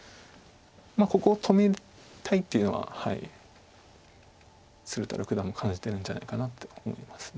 ここを止めたいっていうのは鶴田六段も感じてるんじゃないかなと思います。